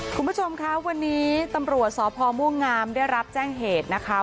คุณผู้ชมคะวันนี้ตำรวจสพม่วงงามได้รับแจ้งเหตุนะคะ